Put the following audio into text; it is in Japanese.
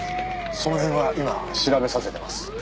その辺は今調べさせてます。